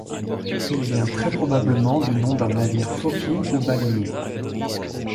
Il vient très probablement du nom d'un navire phoquier ou baleinier.